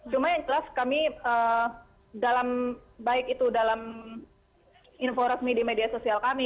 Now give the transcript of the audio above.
cuma yang jelas kami dalam baik itu dalam info resmi di media sosial kami